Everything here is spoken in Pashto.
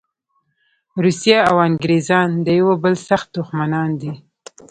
روسیه او انګریزان د یوه بل سخت دښمنان دي.